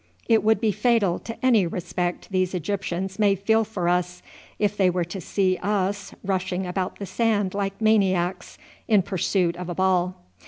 It would be fatal to any respect these Egyptians may feel for us if they were to see us rushing about the sand like maniacs in pursuit of a ball.